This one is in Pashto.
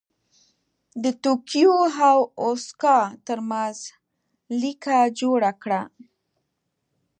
د توکیو او اوساکا ترمنځ لیکه جوړه کړه.